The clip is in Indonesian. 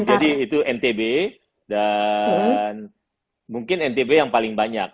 jadi itu mtb dan mungkin mtb yang paling banyak